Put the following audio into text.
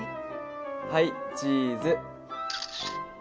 はいチーズ。